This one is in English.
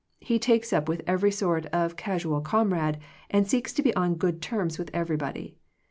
He takes up with every sort of casual comrade, and seeks to be on good terms with everybody.